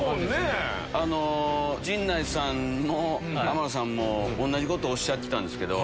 陣内さんも天野さんも同じことおっしゃってたけど。